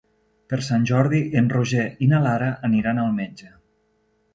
Per Sant Jordi en Roger i na Lara aniran al metge.